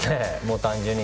単純に。